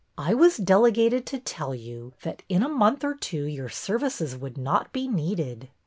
I was delegated to tell you that in a month or two your services would not be needed."